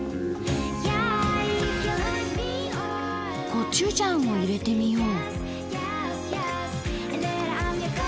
コチュジャンを入れてみよう。